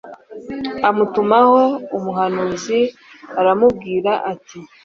amutumaho umuhanuzi aramubwira ati